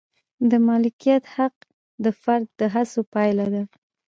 د مالکیت حق د فرد د هڅو پایله ده.